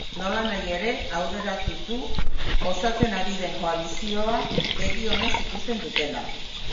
Nolanahi ere, aurreratu du osatzen ari den koalizioa begi onez ikusten dutela.